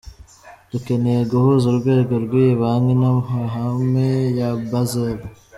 Dukeneye guhuza urwego rw’iyi banki n’amahame ya Basel.